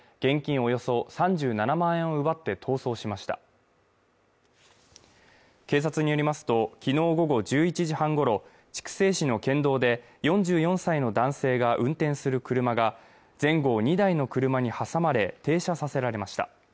およそ３７万円を奪って逃走しました警察によりますときのう午後１１時半ごろ筑西市の県道で４４歳の男性が運転する車が前後を２台の車に挟まれ停車させられました